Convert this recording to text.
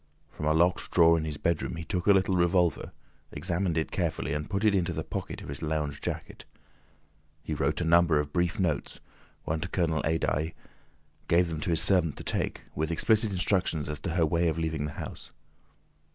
From a locked drawer in his bedroom he took a little revolver, examined it carefully, and put it into the pocket of his lounge jacket. He wrote a number of brief notes, one to Colonel Adye, gave them to his servant to take, with explicit instructions as to her way of leaving the house.